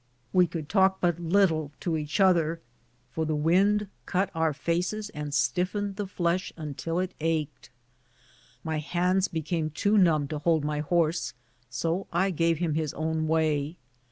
We could talk but little to each other, for the wind cut our faces and stiffened the flesh until it ached. My hands became too numb to hold my horse, so I gave him his own way.